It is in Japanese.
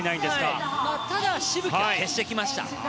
ただ、しぶきを消してきました。